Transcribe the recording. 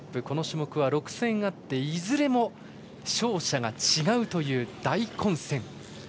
この種目は６戦あっていずれも、勝者が違うという大混戦。